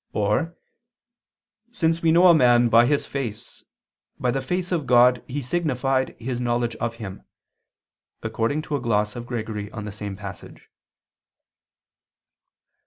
Or, "since we know a man by his face, by the face of God he signified his knowledge of Him," according to a gloss of Gregory on the same passage.